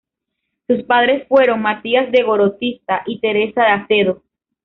Sus padres fueron Matías de Gorostiza y Teresa de Acedo.